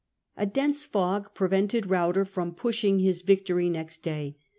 A dense fog prevented Ruyter from pushing his victory next day.